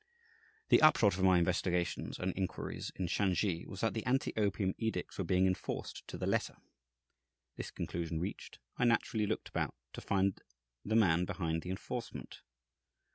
The upshot of my investigations and inquiries in Shansi was that the anti opium edicts were being enforced to the letter. This conclusion reached, I naturally looked about to find the man behind the enforcement.